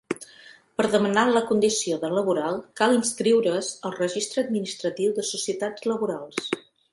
Per demanar la condició de laboral cal inscriure's al Registre Administratiu de Societats Laborals.